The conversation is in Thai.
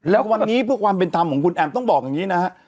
แล้ววันนี้เพื่อความเป็นธรรมของคุณแอมต้องบอกอย่างนี้นะฮะ